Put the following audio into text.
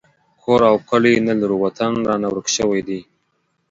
کور او کلی نه لرو وطن رانه ورک شوی دی